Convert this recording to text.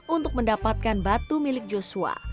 untuk mendapatkan batu milik joshua